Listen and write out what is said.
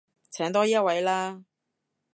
請多一位啦